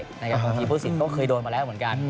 บางทีผู้สินก็เคยโดนมาแล้วเหมือนกัน